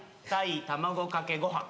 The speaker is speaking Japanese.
鯛卵かけご飯